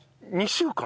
２週間？